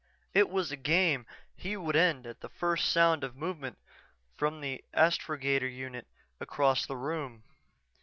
It was a game he would end at the first sound of movement from the astrogator unit across the room....